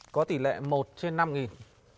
có tỷ lệ một trên năm